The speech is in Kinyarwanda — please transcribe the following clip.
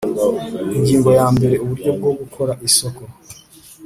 Ingingo ya mbere Uburyo bwo gukora isoko